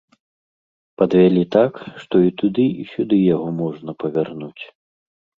Падвялі так, што і туды, і сюды яго можна павярнуць.